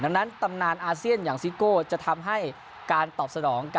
ดังนั้นตำนานอาเซียนอย่างซิโก้จะทำให้การตอบสนอง